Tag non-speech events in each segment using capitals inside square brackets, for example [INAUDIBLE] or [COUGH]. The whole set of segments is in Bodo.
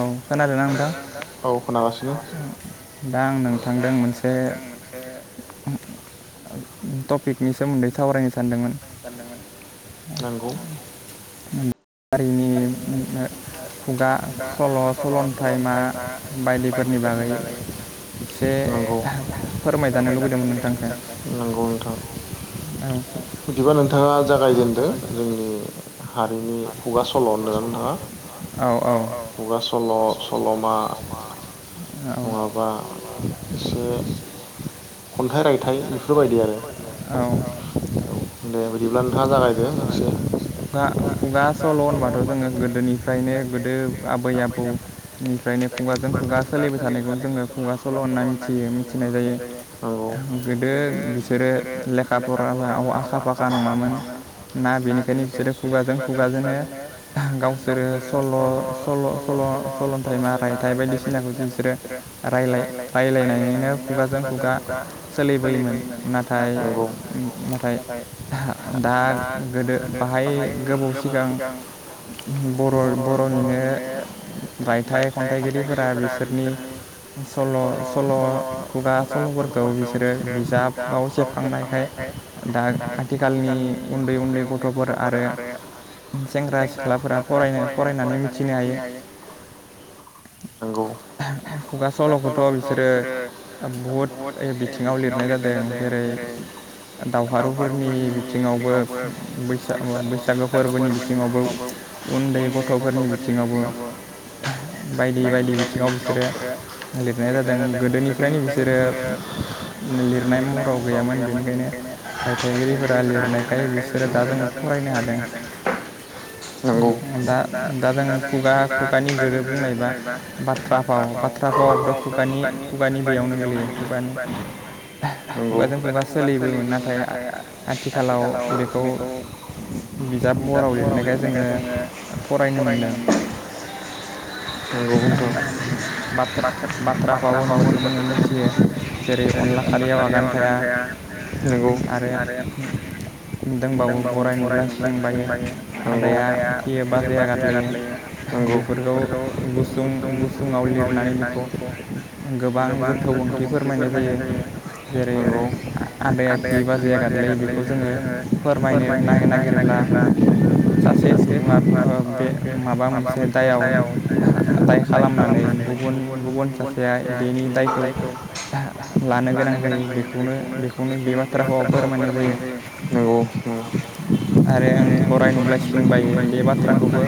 औ खोनादोंना नोंथां दा आं नोंथांदों मोनसे टपिकनि सोमोनदै सावरायनो नोंगौ हारिनि दा सल' सल'न्थाइमा बायदिफोरनि बागै नोंगौ फोनगौ नोंथां बिदिबा नोंथाङा जागायजेनदो जोंनि हारिनि खुगा सल' होनदोंना नोंथाङा औ औ खुगा सल' सल'मा नङाबा एसे खनथाइ रायथाइ बेफोरबायदि आरो दे बिदिब्ला नोंथाङा जागायदो एसे खुगा सल' होनबाथ' जोङो गोदोनिफ्रायनो गोदो आबै आबौनिफ्रायनो खुगाजों खुगा सोलिबाय थानायखौ जोङो खुगा सल' होनना मिथियो मिथिनाय जायो गोदो बिसोरो लेखा फरायाव आखा फाखा नङामोन ना बेनिखायनो बिसोरो खुगाजों खुगा बेबायदिनो गावसोरो सल' सल' सल'थाइ मा रायथाइ बायदिसिनाखौ बिसोरो रायलाय रायलायनानैनो खुगाजों खुगा सोलिबोयोमोन नाथाय नाथाय दा गोदो बाहाय गोबाव फैजां बर' बरनिनो रायथाय खन्थाइगिरि फोरा बिफोरनि सल' सल' खुगा फोरखौ बिसोरो बिजाबफ्रावसोखांनायखाय आथिखालनि उन्दै उन्दै गथ'फोर आरो सेंग्रा सिख्लाफोरा फरायनो फरायनानै मिथिनो हायो नंगौ खुगा सल'खौथ' बिसोरो बहुद बिथिङाव लिरनाय जादों जेरै दावहारुफोरनि बिथिङावबो बैसाग बैसागो फोरबो फोरनि बिथिङावबो उन्दै गथ'फोरनि बिथिङावबो बायदि बायदिसिनाव बिसोरो लिरनाय जादों गोदोनिफ्रायनोसो बे लिरनाय महराव गैयामोन बेनिखायनो रायथायइ गिरिफोरा लिरनायखाय लिरदों फरायनो हादों [UNINTELLIGIBLE] दा दा जों खुगा खुगानि गोरोब बुंनायबा बाथ्रा फाव बाथ्रा आव थ' खुगानि खुगानि बेयावनो गोलैयो खुगानि खुगाजों खुगा सोलिबोमोन नाथाय आथिखालाव बेखौ बिजाब महराव लि फाव लिरनायखाय जोङो फरायनो मोनदों [UNINTELLIGIBLE] [INAUDIBLE] बाथ्राफाव होनो बाथ जों जेरै अनला खारियाव आगान थाया। नंगौ आरो दोंबाबो गराय नुलाायोबा सिं बायो आदाया खियोबा बाजैया गारलायो बेफोरखौ गुसुं [UNINTELLIGIBLE] लिरनानै बिखौ गोबां गोथौ ओंथि फोरमायनाय जायो जेरै आदाया खियो बाजैया गादलायो बेखौ जोङो फोरमायनो नागिरोब्ला सासे सुबुङा ओ बे माबा मोनसे दायाव दाय खालामनानै गुबुन गुबुन सासेया बेनि दायखौ लानो गोनां जायो बेखौनो बेखौनो बे बाथ्राखौ फोरमायनाय जायो आरो आं गराय नुब्लि सिं बायो बे बाथ्राखौबो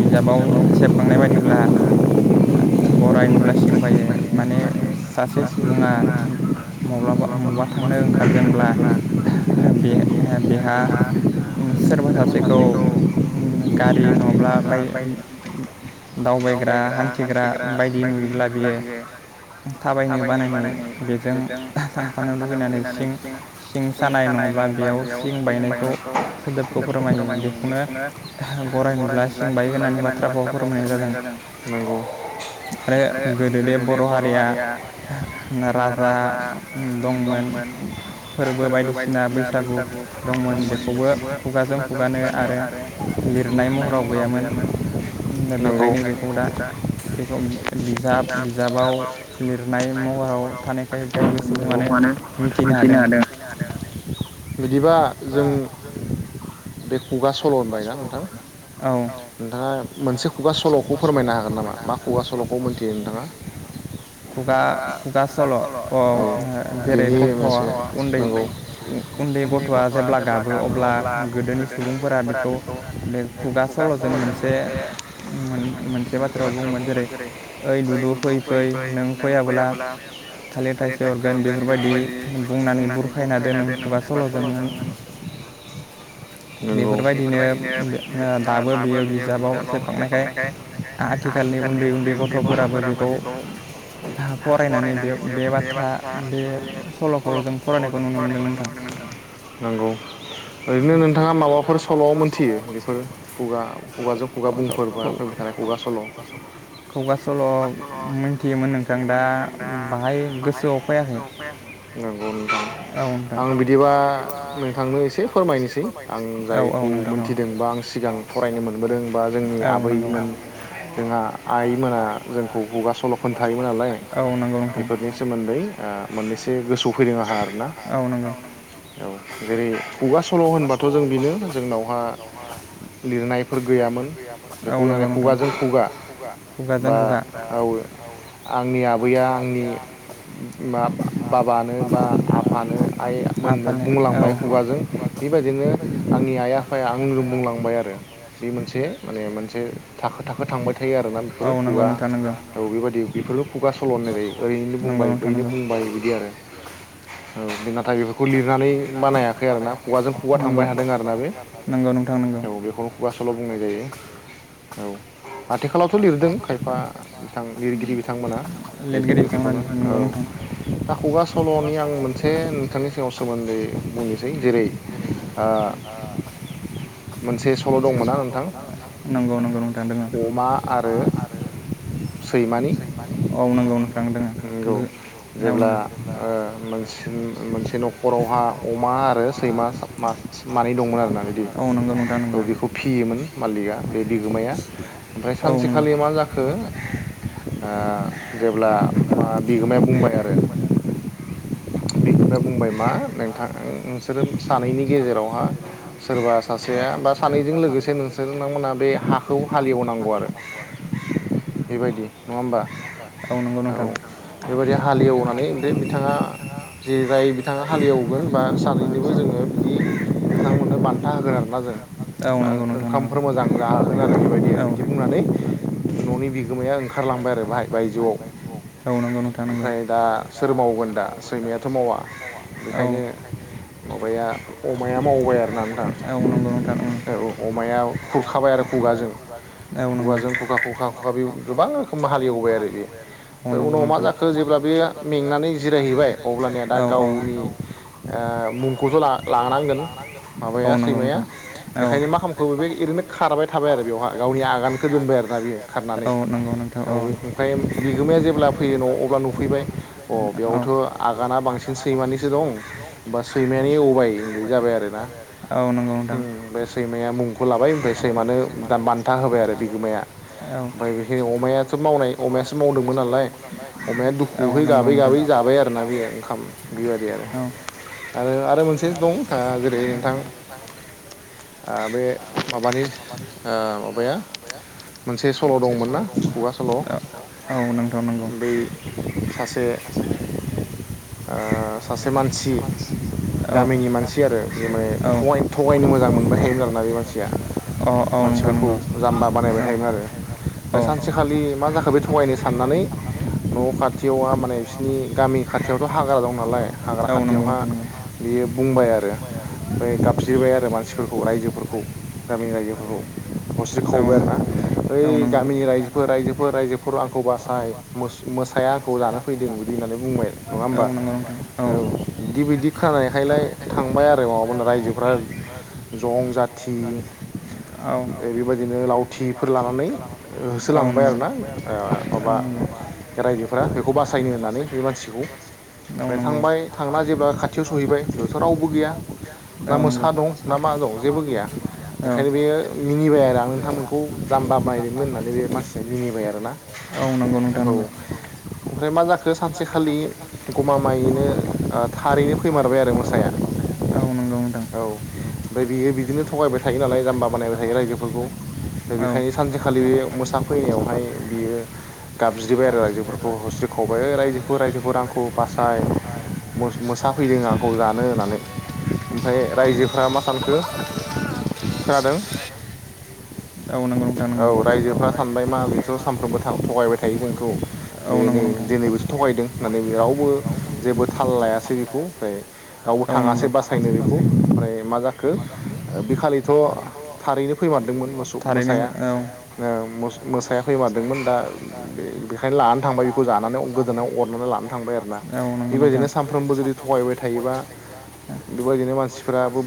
बिजाबाव सेबखांनाय बायदिब्ला गराय नुब्लासिं बायो माने सासे सुबुङा माब्लाबा बबावबा थांनो ओंखारदोंब्ला बे बेहा सोरबा सासे खौ गारि उम नङाब्ला आमफ्राय दावबायग्रा हान्थिग्रा बायदि नुयोब्ला बियो थाबायनो बानायनानै बेजों थांफानो लुबैनानै सिं सिं सानाय नङाब्ला बेयाव सिं बायनायखौ सोदोबखौ फोरमायो बेखौनो गराय नुब्ला सिंबायो बाय गोनां बाथ्राखौ फोरमायनाय जादों नंगौ फ्राय गोदोनि बर' हारिया नाराजा दंमोन फोरबो बायदिसिना बैसागु दंमोन बेखौबो खुगाजों खुगानो आरो लिरनाय महराव मोन बेखायनो बेखौ दा बेखौ बिजाब बिजाबाव लिरनाय महराव थानायखाय बयबो सुबुङानो मिथिनो हादों मिथिनो हादों बिदिबा जों बे खुगा सल' होनबायना नोंथां औ नोंथाङा मोनसे खुगा सल'खौ फोरमायनो हागोन नामा मा खुगा सल'खौ मोनथियो नोंथाङा खुगा खुगा सल'खौ जेरै गथ'आ उन्दै उन्दै गथ'आ जेब्ला गाबो अब्ला गोदोनि सुबुंफोरा बेखौ बे खुगा सल'जों मोनसे मोन मोनसे बाथ्रा बुङो मोन जेरै ओइ दुदु फै फै नों फैयाब्ला थालिर थाइसे हरगोन बेफोरबायदि बुंनानै बुरखायना दोनो खुगा सल'जों मोन। [INAUDIBLE] नंगौ बेफोरबायदिनो आ दाबो बेयो बिजाबाव सेबखांनायखाय आथिखालनि उन्दै उन्दै गथ'फोराबो बेखौ फरायनानै बे बाथ्रा बे सल'खौ जों फरायनायखौ नुनो मोनोदों। नंगौ ओरैनो नोंथाङा माबा थाङा माबाफोर सल' मोनथियो। [UNINTELLIGIBLE] खौगा सल' मिथियोमोन नोंथां दा बाहाय गोसोआव फायाखै नंगौ नों आं बिदिबा नोंथांनो एसे फोरमायनोसै आं जायखौ मोनथिदों। बा आं सिगां फरायनो मोनबोदों बा जोंनि आबैमोन जोंहा आइमोना जोंखौ खुगा सल' खो थायोमोन नालाय बेफोरनि सोमोन्दै आ मोननैसो गोसो फैदों आंहा आरो ना औ नंगौ औ जेरै खुगा सल' होनबाथ' जों बेनो जोंनावहा लिर नायफोर गैयामोन बेखौ माने खुगाजों खुगा बा औ आंनि आबैया आंनि मा बाबानो बा आफानो आइ मोननो बुंलांबाय खुगाजों बेबायदिनो आंनि आइ आफाया आं आं बुंलां जि मोनसे माने मोनसे थाखो थाखो थांबाय थायो आरोना बेफोरो हौवा औ बेबायदि बेफोरखौ खुगा सल' होननाय जायो। ओइनो बुंबाय बैनो बुंबाय बिदि आरो। [INAUDIBLE] औ बे नाथाय बेफोरखौ लिरनानै बानायाखै आरोना खुगाजों खुगा थांबाय थादों आरोना बे नंगौ नोंथां औ बे खौ खुगा सल' बुंनाय जायो। औ। आथिखालावथ' लिरदों खायफा बिथां लिरगिरि बिथांमोना लिदगिरिफोरखौनो औ दा खुगा सल'निया मोनसे नोंथांनि सिङाव सोमोन्दै बुंनोसै जेरै आ मोनसे स ल' दंमोन ना नोंथां नंगौ नंगौ नोंथां अमा आरो सैमानि औ नंगौ नंगौ जेब्ला ओ सो मोनसे न'खरावहा अमा आरो सैमा सातमा मानै दंमोन आरोना बिदि नंगौ नोंथां नांगौ। फियोमोन मालिकआ बे बिगोमाया ओमफ्राय सानसेखालि मा जाखो? आ जेब्ला बिगोमाया बुंबाय आरो [INAUDIBLE] बेखोनो बुंबाय मा नोंथां नोंसोरो सानैनि गेजेरावहा सोरबा सासेया सानैजों लोगोसे नोंसोर नोंथांमोना बे हाखौ हालेवनांगौ आरो। बेबायदि नङा होमबा औ बेबायदि हालेवनानै ओमफ्राय बिथाङा बिथाङा जेरै जाय बिथाङा हालेवगोन बा सानैनोबो जोङो बिदि बिथां मोननो बान्था होगोन आरोना जों ओंखामफोर मोजां जाहोगोन आरो बेबायदि आरो बिदि बुंनानै [INAUDIBLE] न'नि ओंखारलांबाय आरो बाहाय ज' नंगौ नोंथां नंगौ ओमफ्राय दा सोर मावगोन दा बेखायनो माबाया अमाया मावबाय आरोना नोंथां अमाया खुरखाबाय आरो खुगाजों खुगाजों खुखा खुखा खुखा बे गोबां रोखोम हालेव बोबाय आरो बे ओमफ्राय उनाव मा जाखो जेब्ला बे मेंनानै मेंनानै जिराय अब्लानिया दा गाव नि ओ मुंखौस' ला लानांगोन माबाया सैमाया। बेखायनो मा खामखो बे ओरैनो खारबाय थाबाय आरो बेवहााय गावनि आगानखौ दोनबाय आरोना बियो खारनानै। औ ओंखायनो बिगोमाया जेब्ला फैयो न' अब्ला नुफैबाय अ बेयावथ' आगाना बांसिन सैमा निसो दं बा सैमायानो एवबाय बिदि जाबाय आरोना। बे सैमाया मुंखौ लाबाय ओमफ्राय सैमानो दान बान्था होबाय आरो बिगोमाया ओमफ्राय बेखो अमायाथ' मावनाय अमायासो माव दोंमोन नालाय अमाया दुखुयै गाबै गाबै जाबाय आरो। बेयो ओंखाम बेबायदि आरो। आरो आरो मोनसे दं जेरै नोंथां ओ बे माबानि आ माबाया मोनसे सल' दंमोन ना खुगा सल' बै सासे ओ सासे मानसि गामिनि मानसि आरो बे माने थगायनो मोजां मोनबाय थायोमोन आरोना बे मानसिया मानसि फोरखौ जाम्बा बानायबाय थायोमोन आरो। ओमफ्राय सानसेखालि मा जाखो बे थगायनो साननानै न' खाथियावा माने खाथियावथ' हाग्रा दं नालाय हाग्रा खाथियाव हा बियो बुंबाय आरो। ओमफ्राय गाबज्रिबाय आरो मानसि फोरखौ रायजो फोरखौ। गामिनि रायजो फोरखौ हस्रि खावबाय आरोना बै गामिनि रायजो फोर रायजो फोर रायजोफो खर' आंखौ बासाय मोस मोसाया आंखौ जानो फैदों बिदि होननानै बुंबाय । नङा होमबा औ बिदि बिदि खोनानाय खायलाय थांबाय आरो माबामोना रायजोफ्रा जं जाथि औ। बिदिनो लावथि फोर लानानै होसो लांबाय आरोना ओ माबा रायजोलफोरा बेखौ बासायनो होननानै बे मानसिखौ। ओमफ्राय थांबाय थांना जेब्ला खाथियाव सहैबाय बेथ' रावबो गैया। ना मोसा दं ना मा दं जेबो गैया। ओंखायनो बेयो मिनिबाय आरो आं नोंथांसमोनखौ जाम्बा बानाय दोंमोन होननानै बे मानसिया मिनिबाय आरोना। औ ओमफ्राय मा जाखो सानसे खालि गमामायैनो ओ थारैनो फैमारबाय आरो मोसाया औ। ओमफ्राय बियो बिदिनो थगायबाय थायो नालाय जाम्बा बानायबाय थायो रायजो फोरखौ। दा बेखायनो सानसेखालि बे मोसालफैनायाव हाय बियो गाबज्रिबाय आरो रायजो फोरखौ होस्रि खावबाय रायजो फोर रायजो फोर आंखौ आंखौ बासाय मोस मोसा फैदों आंखौ जानो होननानै ओमफ्राय रायजो फोरा मा सानखो खोनादों? औ रायजोफ्रा सानबाय मा बेथ' सानफ्रोमबो था थगायबाय थायो जोंखौ बे नै दिनैबोथ' थगायदों होननानै रावबो जेबो थाल लायासै बेखौ ओमफ्राय रावबो थाङासै बासायनो बेखौ ओमफ्राय मा जाखो बिखा लिथ' थारैनो फैमार दोंमोन। मोसौ मोसाया अ मोस मोसाया फैमार दोंमोन दा बे बेखायनो लानानै थांबाय बेखौ जानानै गोदोनायाव अरनानै लानानै थांबाय आरोना बेबायदिनो सानफ्रोमबो जुदि थगायबाय थायोबा बेबायदिनो मानसि फोराबो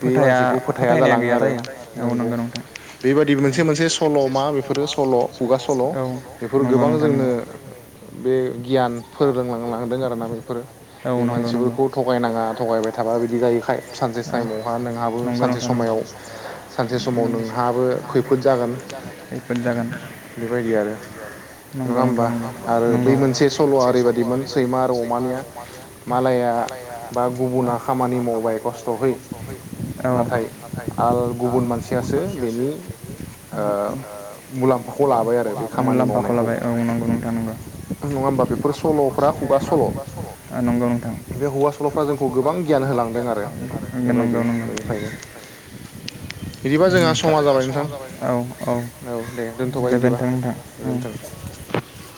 बे मानसिखौ फोथाया जालाङो आरो नंगौ। बेबायादि मोनसे मोनसे सल' मा बेफोरो सल' खुगा सल' बेफोर गोबां जोंनो बे गियान फोरों लांलांदों आरोना बेफोरो बे मानसिलफोरखौ थगायनाङा थगायबाय थाबा बिदि जायो। सानसे साइमावहा नोंहाबो सानसे समाव सानसे समायाव नोंहाबो खैफो जागोन खैफोद जागोन नंगौ नोंथां नं नंगौ सलआ ओरैबायाददिमोन सैमा आरो अमानिया मालाया बा गुबुना खामानि मावबाय खस्थ फै औ नाथाय आं गुबुन मानसियासो बेनि ओ मुलामफाखौ लाबाय मुलामफाखौ लाबाय औ नंगौ नंगौ नङा होनबा बेफोर सलफ्रा खुगा सल बे [UNINTELLIGIBLE] गोबां गियान होलांदों आरो नंगौ नंगौ नंगौ [UNINTELLIGIBLE] औ औ गोजोनथों नोंथां उम [UNINTELLIGIBLE]